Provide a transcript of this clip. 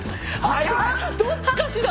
どっちかしら？